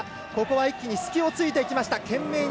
一気に隙を突いていきました。